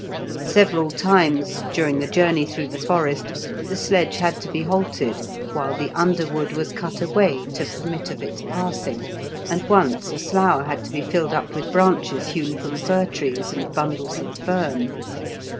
Several times, during the journey through the forest, the sledge had to be halted while the underwood was cut away to permit of its passing; and once a slough had to be filled up with branches hewn from fir trees, and bundles of fern.